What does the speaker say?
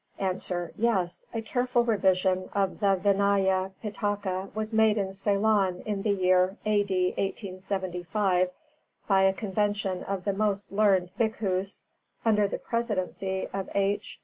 _ A. Yes. A careful revision of the Vināya Pitaka was made in Ceylon in the year A.D. 1875, by a convention of the most learned Bhikkhus, under the presidency of H.